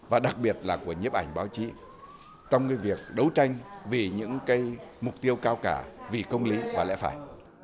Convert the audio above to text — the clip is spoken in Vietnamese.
và đặc biệt là của nhiếp ảnh báo chí trong cái việc đấu tranh vì những cái mục tiêu cao cả vì công lý và lẽ phải